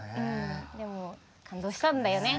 でも感動したんだよね。